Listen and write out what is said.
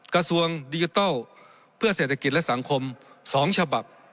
กระทรวงดิจิทัลเพื่อเศรษฐกิจและสังคม๒ฉบับ